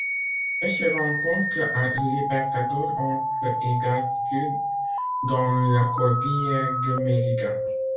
Elle se rencontre à Libertador entre et d'altitude dans la cordillère de Mérida.